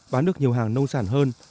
bán được nhiều hàng nông sản hơn